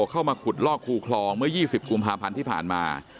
เข้ามาขุดลอกคูคลองเมื่อ๒๐กุมภาพันธ์ที่ผ่านมา